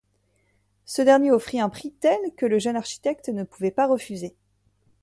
Ce dernier offrit un prix tel que le jeune architecte ne pouvait pas refuser.